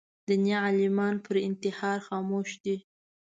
دیني عالمان پر انتحار خاموش دي